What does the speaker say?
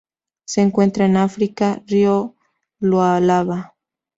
Se encuentran en África: río Lualaba.